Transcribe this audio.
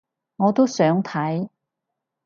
我都想睇